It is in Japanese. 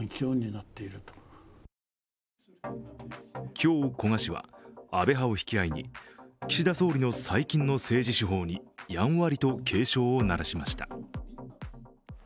今日、古賀氏は安倍派を引き合いに、岸田総理の最近の政治手法にやんわりと警鐘を鳴らしました。